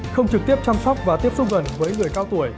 không trực tiếp chăm sóc và tiếp xúc gần với người cao tuổi